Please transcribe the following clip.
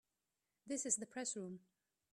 This is the Press Room.